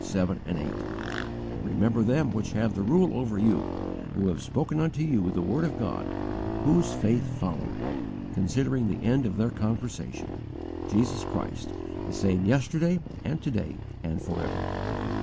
7, 8: "Remember them which have the rule over you, Who have spoken unto you the word of God: Whose faith follow, Considering the end of their conversation: Jesus Christ, the same yesterday and to day and forever."